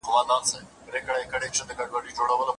د اوبو په واسطه ژوندي یاست.